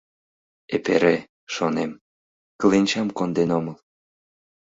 Эпере, — шонем, — кленчам конден омыл.